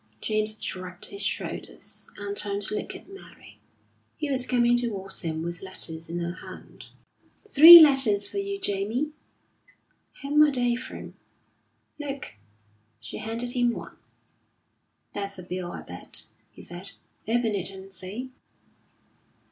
James shrugged his shoulders, and turned to look at Mary, who was coming towards him with letters in her hand. "Three letters for you, Jamie!" "Whom are they from?" "Look." She handed him one. "That's a bill, I bet," he said. "Open it and see."